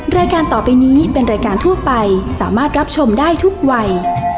รายการต่อไปนี้เป็นรายการทั่วไปสามารถรับชมได้ทุกวัย